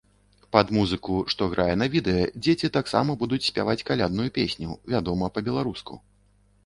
Пад музыку, што грае на відэа, дзеці таксама будуць спяваць калядную песню, вядома, па-беларуску.